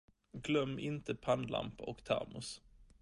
Glöm inte pannlampa och termos.